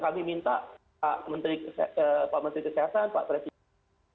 kami minta pak menteri kesehatan pak presiden